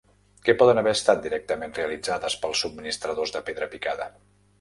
Què poden haver estat directament realitzades pels subministradors de pedra picada?